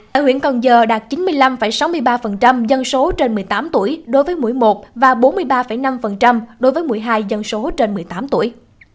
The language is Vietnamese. tại huyện cần giờ đạt chín mươi năm sáu mươi ba dân số trên một mươi tám tuổi đối với mũi một và bốn mươi ba năm đối với một mươi hai dân số trên một mươi tám tuổi